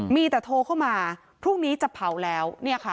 มีแต่โทรเข้ามาพรุ่งนี้จะเผาแล้ว